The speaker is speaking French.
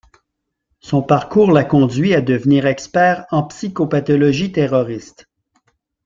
Son parcours l'a conduit à devenir expert en psychopathologie terroriste.